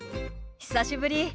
久しぶり。